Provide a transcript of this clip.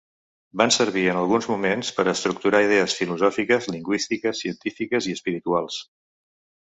Van servir en alguns moments per a estructurar idees filosòfiques, lingüístiques, científiques i espirituals.